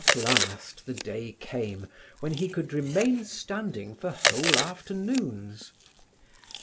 At last the day came when he could remain standing for whole afternoons.